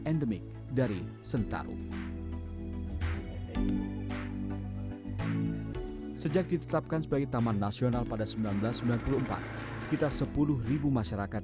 endemik dari sentaro sejak ditetapkan sebagai taman nasional pada seribu sembilan ratus sembilan puluh empat sekitar sepuluh ribu masyarakat